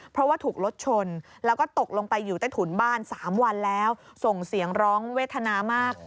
เพราะว่าถูกรถชนแล้วก็ตกลงไปอยู่ใต้ถุนบ้าน๓วันแล้วส่งเสียงร้องเวทนามาก